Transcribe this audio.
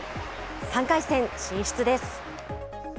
３回戦進出です。